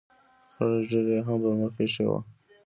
خړه ږیره یې هم پر مخ اېښې وه.